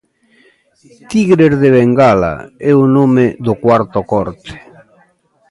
"Tigres de bengala" é o nome do cuarto corte.